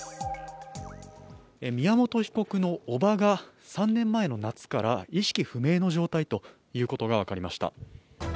宮本被告の叔母が３年前の夏から意識不明の状態ということが分かりました。